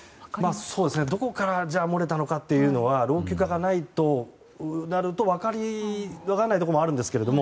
どこから漏れたのかというのは老朽化じゃないとなると分からないところもあるんですが。